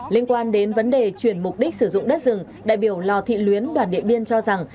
liên quan đến vấn đề chuyển mục đích sử dụng đất rừng đại biểu lò thị luyến đoàn điện biên cho rằng